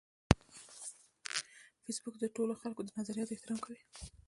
فېسبوک د ټولو خلکو د نظریاتو احترام کوي